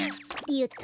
よっと。